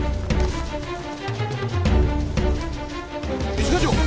一課長！